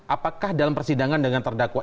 apakah dalam persidangan dengan terdakwa